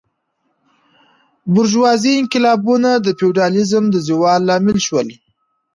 بورژوازي انقلابونه د فیوډالیزم د زوال لامل شول.